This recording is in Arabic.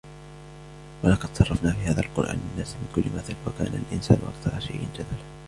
ولقد صرفنا في هذا القرآن للناس من كل مثل وكان الإنسان أكثر شيء جدلا